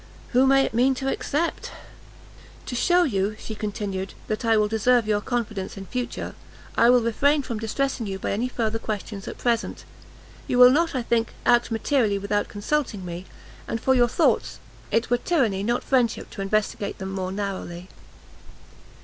who may it mean to except? "To shew you," she continued, "that I will deserve your confidence in future, I will refrain from distressing you by any further questions at present; you will not, I think, act materially without consulting me, and for your thoughts it were tyranny, not friendship, to investigate them more narrowly."